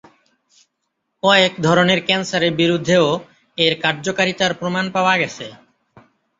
কয়েক ধরনের ক্যান্সারের বিরুদ্ধেও এর কার্যকারিতার প্রমাণ পাওয়া গেছে।